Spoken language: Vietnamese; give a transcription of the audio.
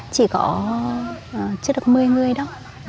chỉ có chứa được một mươi người đó